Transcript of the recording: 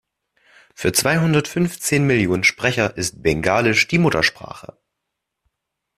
Für zweihundertfünfzehn Millionen Sprecher ist Bengalisch die Muttersprache.